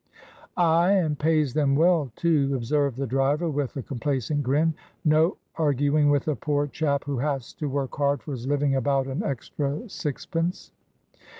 "Aye, and pays them well, too," observed the driver, with a complacent grin. "No arguing with a poor chap who has to work hard for his living about an extra sixpence."